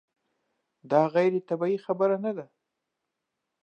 دا غیر طبیعي خبره نه ده.